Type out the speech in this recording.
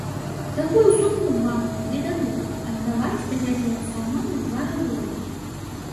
Такую суму ў банку мне дадуць, аддаваць давядзецца амаль удвая болей.